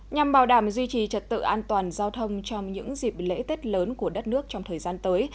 nhằm bảo đảm duy trì trật tự an toàn giao thông trong những dịp lễ tết lớn của đất nước trong thời gian tới